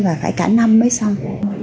và phải cả năm mới xong